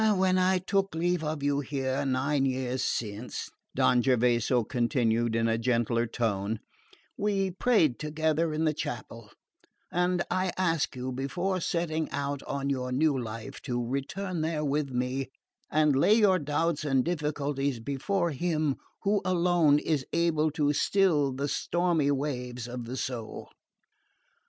When I took leave of you here nine years since," Don Gervaso continued in a gentler tone, "we prayed together in the chapel; and I ask you, before setting out on your new life, to return there with me and lay your doubts and difficulties before Him who alone is able to still the stormy waves of the soul."